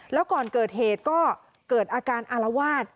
แล้วก่อนเกิดเหตุก็เกิดอาการอารวาส